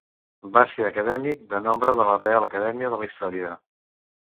Va ser acadèmic de nombre de la Reial Acadèmia de la Història.